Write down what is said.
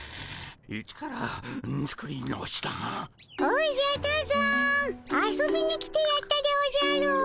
おじゃ多山遊びに来てやったでおじゃる。